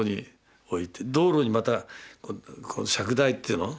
道路にまた尺台っていうの？